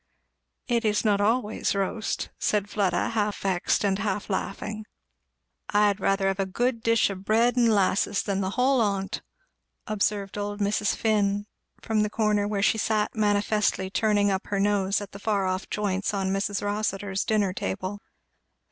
"It is not always roast," said Fleda, half vexed and half laughing. "I'd rather have a good dish o' bread and 'lasses than the hull on't;" observed old Mrs. Finn; from the corner where she sat manifestly turning up her nose at the far off joints on Mrs. Rossitur's dinner table.